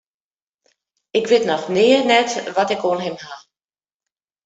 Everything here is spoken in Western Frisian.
Ik wit noch nea net wat ik oan him haw.